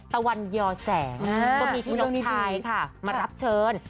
ตะวันยอแสงก็มีพี่น้องชายค่ะมารับเชิญ